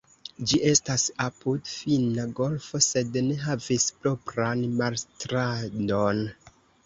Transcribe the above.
Ĝi estas apud Finna golfo sed ne havis propran marstrandon.